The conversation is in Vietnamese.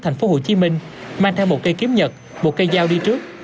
thành phố hồ chí minh mang theo một cây kiếm nhật một cây dao đi trước